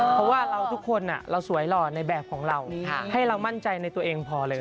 เพราะว่าเราทุกคนเราสวยหล่อในแบบของเราให้เรามั่นใจในตัวเองพอเลย